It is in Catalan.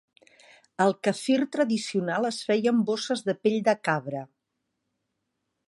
El quefir tradicional es feia en bosses de pell de cabra.